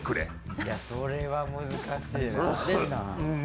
いやそれは難しいな。